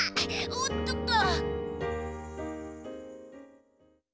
おっとっと！